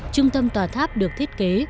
trung tâm tòa tháp được thiết kế